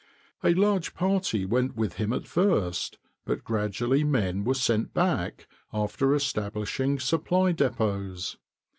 A large party went with him at first, but gradually men were sent back, after establishing supply depots.